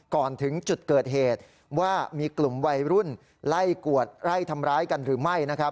ก่อนถึงจุดเกิดเหตุว่ามีกลุ่มวัยรุ่นไล่กวดไล่ทำร้ายกันหรือไม่นะครับ